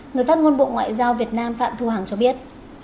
người phát ngôn bộ ngoại giao việt nam phạm thu hằng cho biết